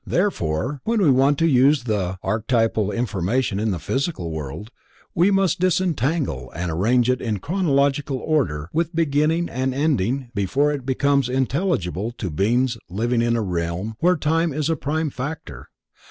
Therefore, when we want to use the archetypal information in the Physical World, we must disentangle and arrange it in chronological order with beginning and ending before it becomes intelligible to beings living in a realm where Time is a prime factor.